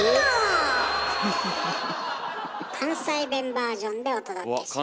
えぇ⁉関西弁バージョンでお届けしました。